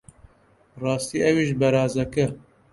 ڕاستی ئەویش بەرازەکە!